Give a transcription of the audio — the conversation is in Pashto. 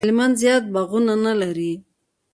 هلمند زیات باغونه نه لري